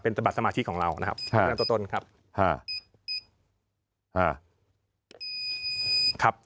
เป็นบัตรสมาชิกของเรานะครับ